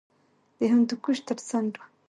د هندوکش تر څنډو